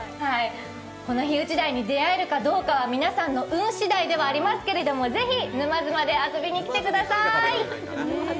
このヒウチダイに出会えるかどうかは皆さんの運しだいではありますけどぜひ沼津まで遊びに来てください。